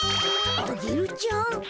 アゲルちゃん？